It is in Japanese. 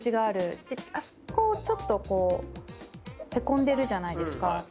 あそこちょっとこうへこんでるじゃないですか。